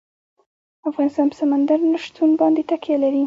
افغانستان په سمندر نه شتون باندې تکیه لري.